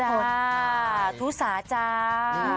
เอ้าสวัสดีทุสาจ้า